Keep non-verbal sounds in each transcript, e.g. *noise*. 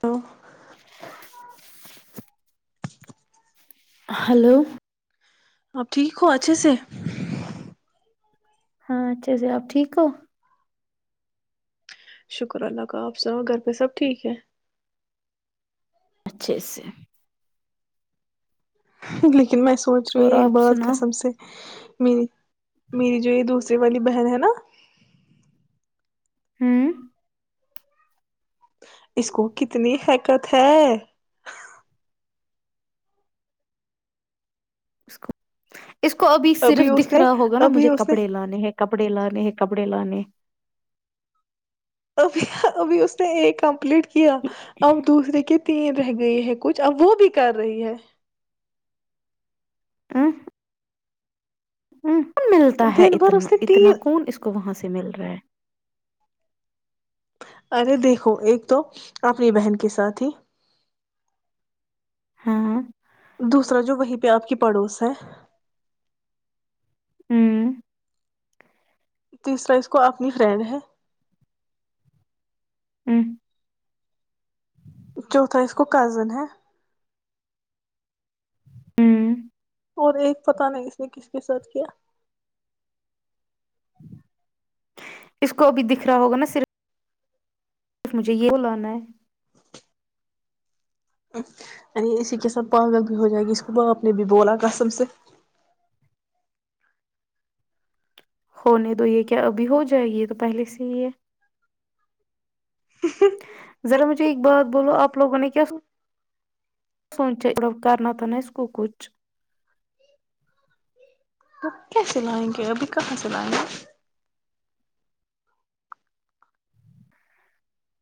تو ہلو اپ ٹھیک ہی کوو اچ سے ہاں اچھے سے آپ ٹھیک ہو شکر اللہ کا آپ سنو گھر پہ سب ٹھیک ہے اچھے ا سے انگلش لیکن میں سوچ رہی اور ہوں ایک آپ بعات سناؤ قسم سے *inaudible* میری جو یہ دوست والی بہن ہے نا *inaudible* اس کو کتنی حیکت ہے اس کو اس کو ابھی صرف اس دکھ نے رہا ہوگا نا ابھی مجھے اس نے کپڑے لانے ہیں کپڑے لانے ہیں کپڑے لانے ابھی ابھی اس نے ایک کمپلیٹ کیا اب دوسرے کے تین رہ گئے ہیں کچھ اب وہ بھی کر رہی ہے *inaudible* *inaudible* ملتا ہے دن بھر اتنا اس نے تین اتنا کون اس کو وہاں سے مل رہا ہے ارے دیکھو ایک تو اپنی بہن کے ساتھ ہی ہاں دوسرا جو وہیں پہ آپ کی پڑوس ہے *inaudible* تیسرا اس کو اپنی فرینڈ ہے ہوں چوتھا اس کو کزن ہے *inaudible* اور ایک پت نہیں اس نے کس کے ساتھ کیا اس کو ابھی دکھ رہا ہوگا نا صرف مجھے یہ ب لانا ہے ینی اسی کے ساتھ پاگل بھی ہو جائے گی اس کو باپ نے بھی بولا قسم سے ہونے دو یہ کیا ابھی ہو جائے گی یہ تو پہلے سے ہی ہے ذرا مجھے ایک بات بولو آپ لوگوں نے کیا سوچا کرنا تھا نا اس کو کچھ آ کیا سلائیں گے ابھی کہاں سلائیں گے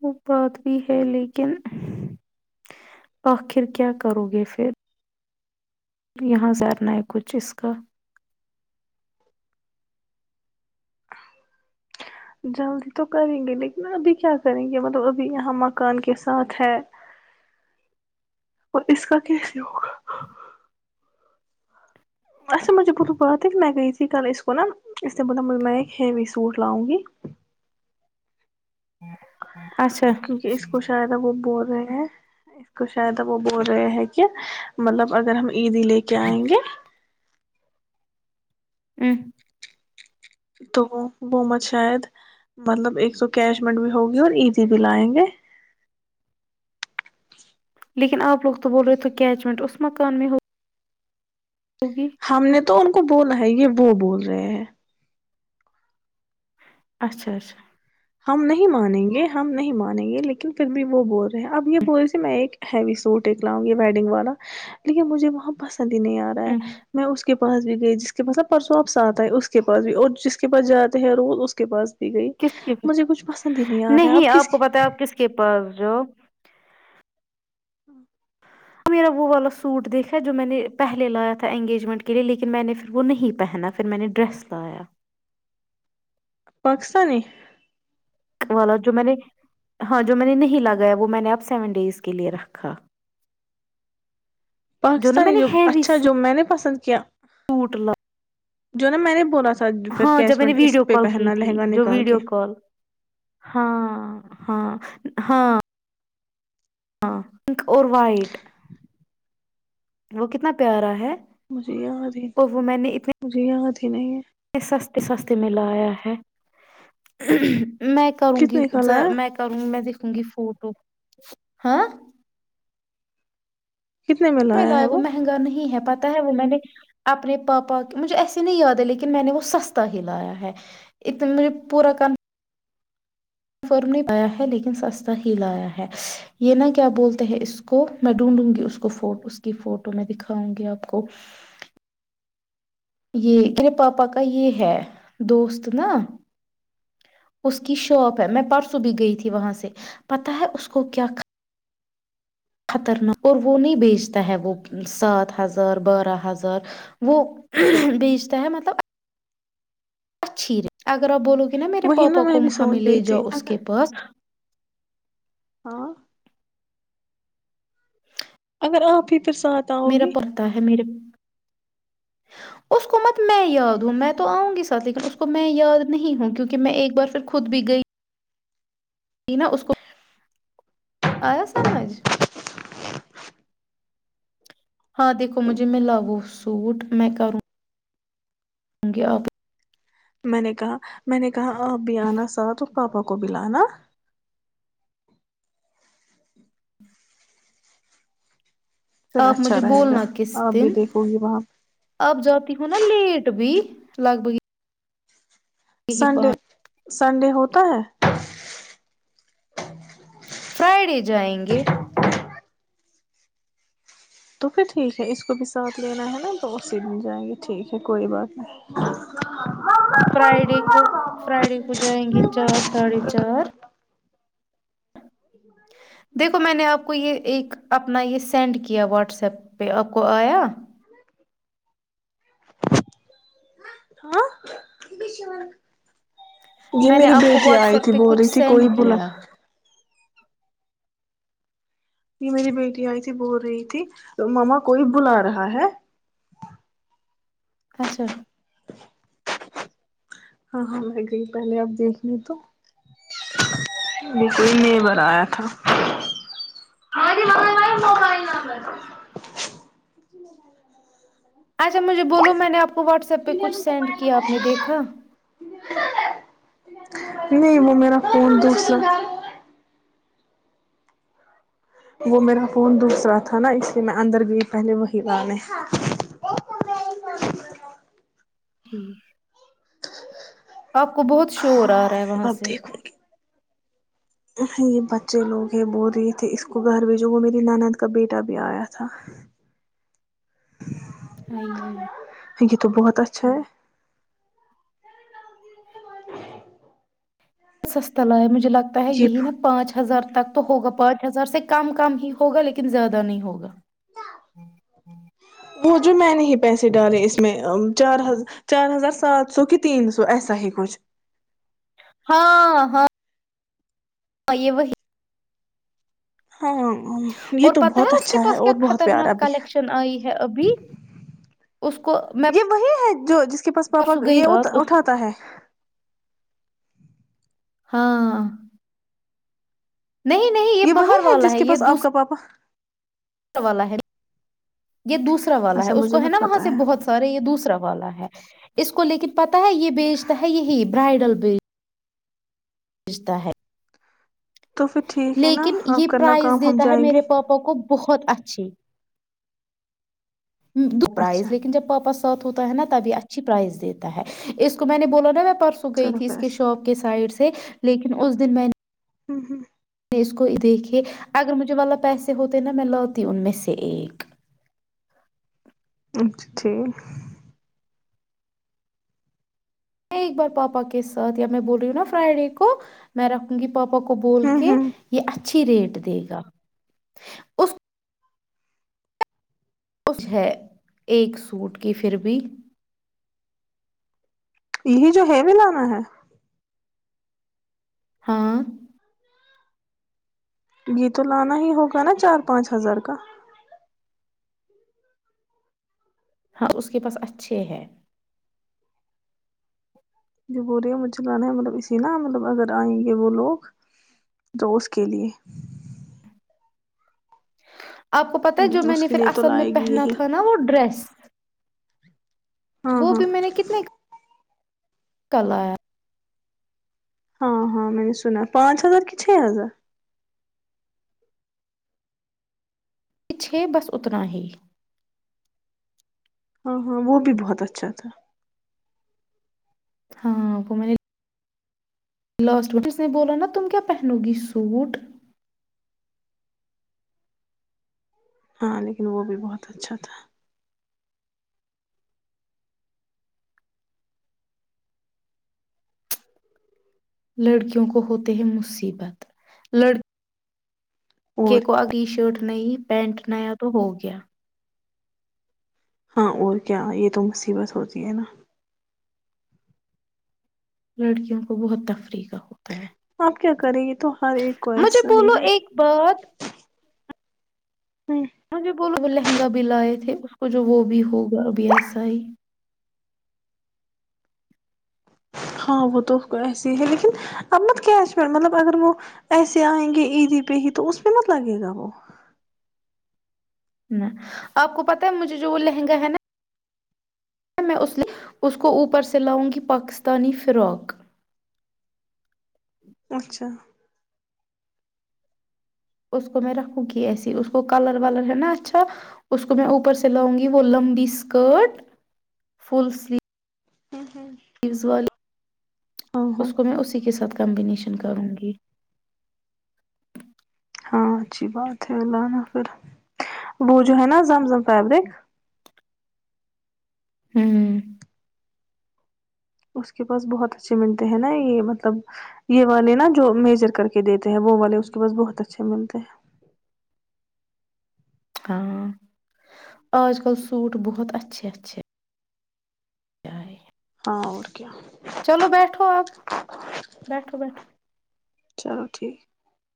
وہ بات بھی ہے لیکن آخر کیا کرو گے پھر یہاں جارنا ہے کچھ اس کا جلدی تو کریں گے لیکن ابھی کیا کریں گے مطلب ابھی یہاں مکان کے ساتھ ہے اور اس کا کیسے ہوگا اا مجھے بہت بات ہے کہ میں گئی تھی کل اس کو نا اس بول میں ایک ہیوی سوٹ لاؤں گی اچھا کیونکہ اس کو شاید اب وہ بول رہے ہیں اس کو شاید اب وہ بول رہے ہیں کہ مطلب اگر ہم عیدی لے کے آئیں گے *inaudible* تو وہ مت شاید مطلب ایک تو کیش مٹ بھی ہوگی اور ایزی بھی لائیں گے لیکن آپ لوگ تو بول رہے تھے کیچمنٹ اس مکان میں ہو ہم نے تو ان کو بولا ہے یہ وہ بول رہے ہیں اچھا اچھا ہم نہیں مانیں گے ہم نہیں مانیں گے لیکن پھر بھی وہ بول رہے ہیں اب یہ بول رہے میں ایک ہیوی سوٹ ایکک لاؤں گی ویڈنگ والا لیکن مجھے وہاں بس بھی نہیں آ رہا ہے ام میں اس کے اس کے پاس بھی گئے جس کے پاس ن پرسوں آپ سے آ ہے اسس کے پاس بھی اور جس کے پاس جاتے ہیں روز اس کے پاس گئی کس کے *unintelligible* پسند ہی آ رہا ہے نہیں اب کس آپ کو پتا آپ کس کے پاس جو *unintelligible* ہاں *unintelligible* میرا وہ والا سوٹ دیکھا جو میں نے پہلے لایا تھا انگیجمنٹ کے لئے لیکن میں نے پھر وہ نہیں پہنا پھر میں نے ڈریس لایا پاکستانی *unintelligible* والا جو میں نے ہاں جو میں نے نہیں لگایا وہ میں نے اب سیون ڈیز کے لیے رکھا نا میں پاکستانی نے جو ہیوی اچھا جو میں نے پسند کیا *inaudible* سوٹ ل *inaudible* جو نا میں نے بولا تھا پھر ہاں جب کیش میں مٹ نے اس ویڈیو پہ کال کی پہننا تھی لہنگا جو نکال کے ویڈیو کال ہاں ہاں ہاں ہاں پنک اور وائٹ وہ کتنا پیارا ہے مجھے یاد ہے مجھے یاد ہے کھن ہے *unintelligible* سستتے سستے میلا آیا ہے *unintelligible* میں کروں گی کتنے کا لایا میں کروں گی میں د ی فوٹو ہاں *unintelligible* م میں لایا وہ مہنگا نہیں ہے پت ہے وہ میں نے اپنے پاپا مجھے ایسے نہیں یاد ہے لیکن میں نے وہ سستا ہی لایا ہے اتنے مجھے پورا کرنا کفرم نہیں پایا ہے لیکن سستا ہی لایا ہے یہ نہا کیا بولتے ہیں اس کو میں ڈھونڈوں گی اس کو فٹ اس کی فوٹو میں دکھاؤں گی آپ کو یہ میرے پاپا کا یہ ہے دوست نا اس کی شاپ ہے میں پرسوں بھی گئی تھی وہاں سے پتا ہے اس کو کیا خطرناک اور وہ نہیں بیچتا ہے وہ سات ہزار بارہ ہزار وہ بیچتا ہے مطلب اچھی اگر آپ بولو گے نا میرے وہی نا پاپا کو میں بھی ہمیں سوچ لے رہی تھی جاؤ اس کے پاس ہ اگر آپ ہی پھر ساتھ آؤ میرا گی پتا ہے میرے اسکومت میں ہی یاگ ہوں میں تو آؤ گی سات لیکن اس کو میں یاد نہیں ہوں کیونکہ میں ایک بار پھر خود بھی گئی ت نا اس کو آیا سمجھ ہاں دیکھو *unintelligible* تو مجھے میں لاگو سوٹ میں کر ہ گے آپ *unintelligible* م نے کہا م نے کہاں آپ بھی آنا ساتھ *unintelligible* پاپا گب ل نا *unintelligible* پھر آپ اچھا مجھے رہے گا بولنا کس آپ بھی دن دیکھو گی وہاں آپ جاتی ہو نا لیٹ بھی لگ بگ ہی ہی سنڈے پان سنڈے ہوتا ہے فرائیڈے جائیں گے تو پھر ٹھیک ہے اس کو بھی ساتھ لینا ہے نا تو اسی من جائیں گے ٹھیک ہے کوئی بات نہیں فرائیڈے کو فرائیڈے کو جائیں گے چار نہیں ساڑھے چار دیکھو میں نے آپ کو یہ ایک اپنا یہ سینڈ کیا واٹسپ پہ آپ کو آیا ہاں یہ میں نے میری آپ کو بیٹی واٹس آئی ایپ تھی پہ بول کچھ رہی تھی سینڈ کوئی بلا کیا یہ میری بیٹی آئی تھی بول رہی تھی ماما کوئی بلا رہا ہے اچھا ہاں ہاں میں گئی پہلے آپ دیکھ ل تو کوئی نبر آیا تھا اچھا مجھے بولو میں نے آپ کو واٹس ایپ پہ کچھ سینڈ کیا آپ نے دیکھا نہیں ممیرا فون دس وہ میرا فون دوسرا تھا نا اس لیے میں اندر گئی پہلے وہی لے جی *inaudible* آپ کو بہت شور آ رہا ہے وہاں اب سے دیکھوں گی یہ بچے لوگ ہیں بول رہے تھے اس کو گھر بھیجو وہ میری نانند کا بیٹا بھی آیا تھا آئی یہ تو بہت اچھا چھ *unintelligible* لگتا ہے جی یہی نا پانچ ہزار تو تک تو ہوگا پانچ ہزار سے کم کم ہی ہوگا لیکن زیادہ نہیں ہوگا ب جو میں نے ہی پیسے ڈالے اس میں چار ہ چار ہزار سات سو کہ تین سو ایسا ہی کچھ ہاں ہاں ہ یہ وہ ہی ہاں یہ اور تو پتہ بہت اس کے اچھا ہے پاس کیا اور بہت پیارا خطرناک بھی ہے کلیکشن آئی ہے ابھی اس کو میں یہ وہی ہے جو ج *unintelligible* اس کے پاس پاپا پرسوں گئی یہ رات اس اٹھاتا ہے ہاں *unintelligible* نہیں نہیں یہ وہی باہر والا جس ہے کے یہ پاس آپ دوسرا کا پاپا *unintelligible* والالا ہے *unintelligible* یہ دوسرا والا ہے اچھا اس مجھے کو ہے مت نا وہاں پتا سے بہت سارے یہ دوسرا *unintelligible* والا ہے اس کو لیکن پتا ہے یہ بیجتا ہے یہی برائڈل بیج *unintelligible* رشتا ہے *unintelligible* تو پھر ٹھیک ہے نا لیکن یہ آپ کرنا کام پرائز ہم دیتا ہے جائیں گے میرے پاپا کو بہت *unintelligible* بہت اچھی *unintelligible* دو اچھا پرائز لیکن جب پاپا ساتھ ہوتے *unintelligible* ہے نا تبھی اچھی پرائز دیتا ہے اس کو میں نے بولا نا میں پر سو گئی چلو تھی اس پھر کے شاپ کے سائڈ سے *unintelligible* لیکن اس دن میں نے *unintelligible* ہوں ہوں اس کو دیکھے اگر مجھے والا پیسے ہوتے نا میں لاتی ان میں سے ایک *unintelligible* ا چ ٹھیک *unintelligible* میں ایک بار پاپا کے ساتھ یا میں بول رہی ہوں نا فرائیڈے کو میں رکھوں گی *unintelligible* پاپا کو بول ہوں کے ہوں یہ اچھا *unintelligible* اچھی ریٹ دے گا اس *unintelligible* خوش ہے ایک سوٹ کی پھر بھی *unintelligible* یہی جو ہے بھی لانا ہے *unintelligible* ہاں *unintelligible* یہ تو لانا ہی ہوگا نا چار پانچ ہزار کا ہاں اس کے پاس اچھے ہیں *unintelligible* جو بول رہے ہے مجھ لانا ہے مطلب اسی نا مطلب اگر آئیں گے وہ لوگ تو اس کے لیے *unintelligible* آپ کو پتہ ہے جو ہ میں اس نے کے پھر لیے تو اصل میں لائے گی پہنا یہی تھا نا وہ ڈریس *unintelligible* ہاں وہ ہاں بھی میں نے کتنے *unintelligible* کلیا *unintelligible* ہاں ہاں میں نے سنا پانچ ہزار کہ چھ ہزار *unintelligible* پچھے بس اتنا ہی *unintelligible* ہاں ہاں وہ بھی بہت اچھا تھا *unintelligible* ہاں وہ میں نے *unintelligible* لاسٹ وس نے بولا نا تم کیا پہنو گی سوٹ *unintelligible* ہاں لیکن وہ بھی بہت اچھا تھا *unintelligible* لڑکیوں کو ہوتے ہیں مصیبت لڑ *unintelligible* مڑکے اور کو کیا اگلی شرٹ نہیں *unintelligible* پینٹ نیا تو ہو گیا *unintelligible* ہاں اور کیا یہ تو مصیبت ہوتی ہے نا *unintelligible* لڑکیوں کو بہت تفریح کا ہو *unintelligible* آپ کیا کریں گے تو ہر ایک کو مجھے ایسا ہی بولو ہے ایک *unintelligible* ہ جی بولو وہ لہنگا بھی لائے تھے *unintelligible* اس کو جو وہ بھی ہوگا اب ایسا ہی *unintelligible* ہاں وہ تو ایسے ہی ہے لیکن اب مت کیش مطلب اگر وہ ایسے آئیں گے عیدی پہ ہی تو ا میںہ مت لگے گا وہ *unintelligible* نہ آپ کو پتہ ہے مجھے جو وہ لہنگا ہے نا *unintelligible* اس کو اوپر سے لاؤں گی پاکستانی فرق *unintelligible* اچھا *unintelligible* اس کو میں رکھوں گی ایسے اس کو کلر والر ہے نا اچھا اس کو میں اوپر سے لاؤں گی وہ لمبی اسکرٹ فل سلیو *unintelligible* والے ہاں ہاں اس کو میں اسی کے ساتھ کمبینیشن *unintelligible* *inaudible* ہاں اچھی بات ہے اللہ نا پھر وہ جو ہے نا زم زم فیبرک *unintelligible* *inaudible* اس کے پاس بہت اچھے ملتے ہیں نا یہ مطلب یہ والے نا جو میجر کر کے دیتے ہیں وہ والے اس کے پاس بہت اچھے ملتے ہیں *unintelligible* ہاں آج کل سوٹ بہت اچھے اچھے آئے *inaudible* چلو بیٹھو اب بیٹھو بیٹھو *inaudible*